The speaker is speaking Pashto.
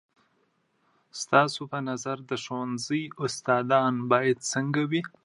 ستاسو په نظر، د ښوونځۍ استادان بايد څنګه وي؟